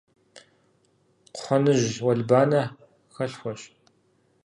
Кхъуэныжь уэлбанэ хэлъхуэщ.